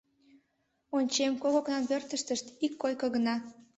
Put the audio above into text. Ончем, кок окнан пӧртыштышт ик койко гына.